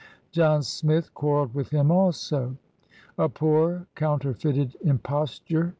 John Smith quarreled with him also. "A poor counterfeited Imposture!"